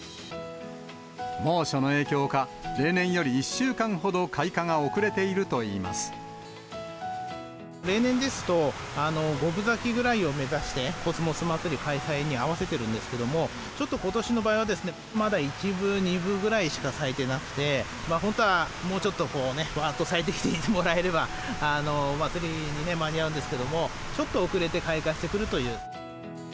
猛暑の影響か、例年より１週間ほ例年ですと、５分咲きぐらいを目指して、コスモスまつり開催に合わせてるんですけども、ちょっとことしの場合は、まだ１分、２分くらいしか咲いてなくて、本当はもうちょっと、わーっと咲いてきてもらえば、祭りに間に合うんですけど、ちょっと遅れて開花してくるという。